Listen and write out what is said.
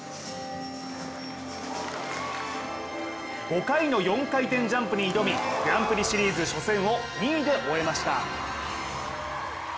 ５回の４回転ジャンプに挑みグランプリシリーズ初戦を２位で終えました。